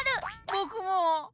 ぼくも。